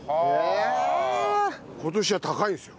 今年は高いですよ。